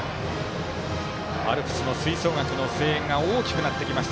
アルプスの吹奏楽の声援が大きくなってきました